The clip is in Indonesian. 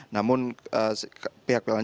namun pihak pelancong